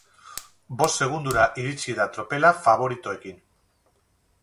Bost segundora iritis da tropela faboritoekin.